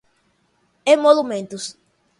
emolumentos